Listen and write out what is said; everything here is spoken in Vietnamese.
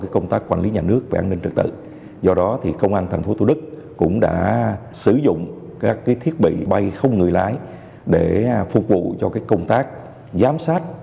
công an thành phố thủ đức đã sử dụng các thiết bị bay không người lái để phục vụ cho công tác giám sát